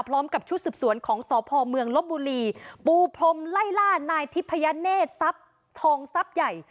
พร้อมกับชุดสืบสวนของสพเมืองลบบุรีปูพรมไล่ล่านายทิพยเนศทรัพย์ทองทรัพย์ใหญ่